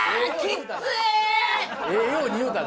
ええように言うたな。